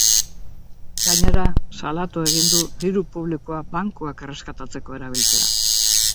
Gainera, salatu egin du diru publikoa bankuak erreskatatzeko erabiltzea.